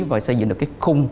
và xây dựng được cái khung